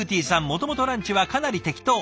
もともとランチはかなり適当。